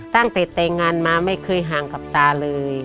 ตั้งแต่แต่งงานมาไม่เคยห่างกับตาเลย